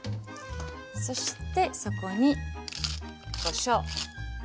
そしてそこにこしょう。